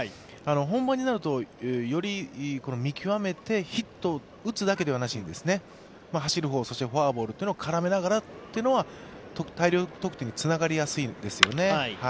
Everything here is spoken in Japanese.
本番になると、より見極めて、ヒットを打つだけではなしに走る方、そしてフォアボールを絡めながらというのは大量得点につながりやすいんですよね。